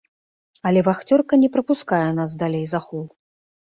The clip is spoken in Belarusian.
Але вахцёрка не прапускае нас далей за хол.